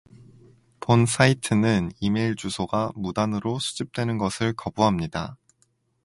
본 사이트는 이메일 주소가 무단으로 수집되는 것을 거부합니다